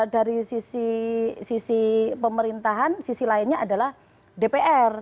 dari sisi pemerintahan sisi lainnya adalah dpr